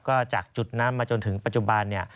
ก็จากจุดนั้นมาจนถึงปัจจุบัน